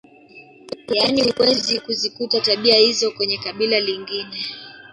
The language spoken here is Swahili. Yaani huwezi kuzikuta tabia hizo kwenye kabila lingine